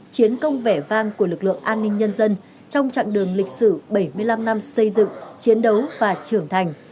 chiến công vẻ vang của lực lượng an ninh nhân dân trong chặng đường lịch sử bảy mươi năm năm xây dựng chiến đấu và trưởng thành